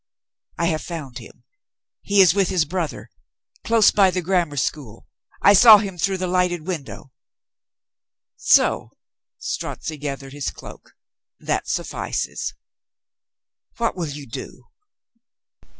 "I have found him. He is with his brother. Close by the Grammar School. I saw him through the lighted window." "So." Strozzi gathered his cloak. "That suf fices." "What will you do?"